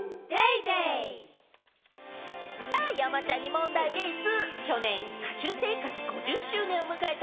さぁ、山ちゃんに問題でぃす！